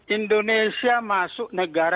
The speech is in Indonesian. indonesia masuk negara